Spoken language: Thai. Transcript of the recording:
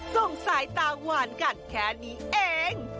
ส่งสายตาหวานกันแค่นี้เอง